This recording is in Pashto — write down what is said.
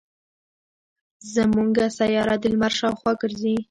زمونږ سیاره د لمر شاوخوا ګرځي.